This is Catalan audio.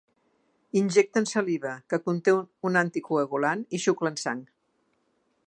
Injecten saliva, que conté un anticoagulant, i xuclen sang.